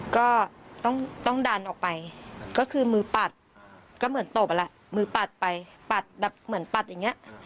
ก็ต้องดันออกไปก็คือมือปัดก็เหมือนตบแหละมือปัดไปปัดแบบเหมือนปัดอย่างนี้